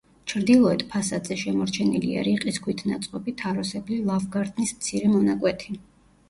ჩრდილოეთ ფასადზე შემორჩენილია რიყის ქვით ნაწყობი, თაროსებრი ლავგარდნის მცირე მონაკვეთი.